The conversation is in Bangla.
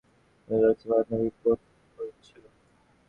বৃহস্পতিবার স্মিথের সংবাদ সম্মেলনের পর রীতিমতো বিপন্নই বোধ করছিল সে।